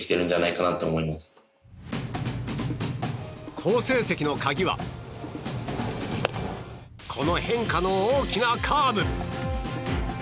好成績の鍵はこの変化の大きなカーブ。